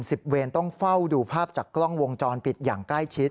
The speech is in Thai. เวรต้องเฝ้าดูภาพจากกล้องวงจรปิดอย่างใกล้ชิด